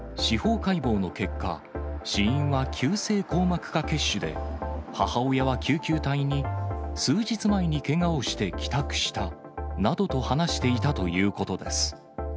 司法解剖の結果、死因は急性硬膜下血腫で、母親は救急隊に、数日前にけがをして帰宅したなどと話していたということです。